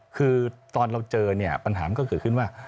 คือตอนเราเจอเนี่ยปัญหามันก็เกิดขึ้นว่า